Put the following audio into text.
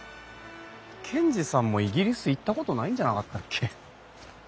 賢治さんもイギリス行ったことないんじゃなかったっけ？